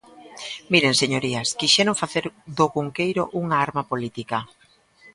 Miren, señorías, quixeron facer do Cunqueiro unha arma política.